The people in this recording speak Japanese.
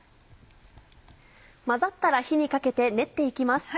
混ざったら火にかけて練って行きます。